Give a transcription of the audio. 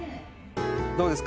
どうですか？